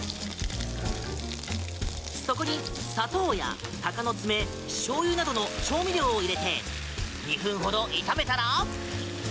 そこに砂糖やタカノツメしょうゆなどの調味料を入れて２分ほど炒めたら。